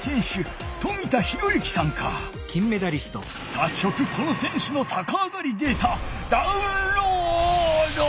さっそくこの選手のさかあがりデータダウンロード！